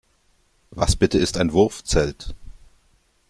Was bitte ist ein Wurfzelt?